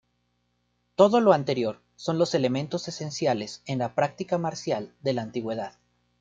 Todo lo anterior son los elementos esenciales en la práctica marcial de la antigüedad.